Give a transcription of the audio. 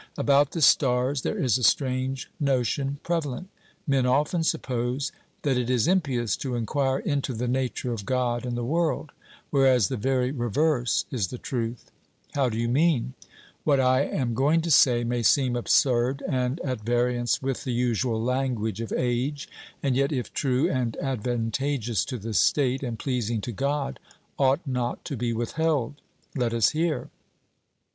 About the stars there is a strange notion prevalent. Men often suppose that it is impious to enquire into the nature of God and the world, whereas the very reverse is the truth. 'How do you mean?' What I am going to say may seem absurd and at variance with the usual language of age, and yet if true and advantageous to the state, and pleasing to God, ought not to be withheld. 'Let us hear.'